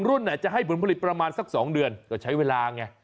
รุ่นจะให้ผลผลิตประมาณสัก๒เดือนก็ใช้เวลาไง